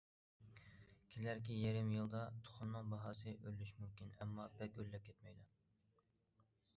كېلەركى يېرىم يىلدا تۇخۇمنىڭ باھاسى ئۆرلىشى مۇمكىن، ئەمما بەك ئۆرلەپ كەتمەيدۇ.